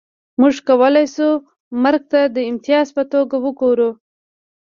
موږ کولای شو مرګ ته د امتیاز په توګه وګورو